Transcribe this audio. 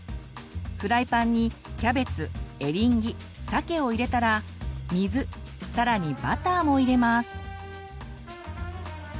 フライパンにキャベツエリンギさけを入れたら水さらにバターも入れます。